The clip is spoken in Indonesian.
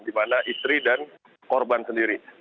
di mana istri dan korban sendiri